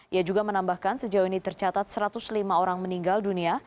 ia juga menambahkan sejauh ini tercatat satu ratus lima orang meninggal dunia